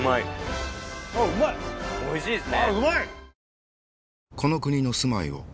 おいしいですね。